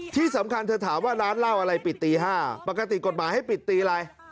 ที่สำคัญเธอถามว่าร้านเหล้าอะไรปิดตี๕ปกติกฎหมายให้ปิดตีอะไร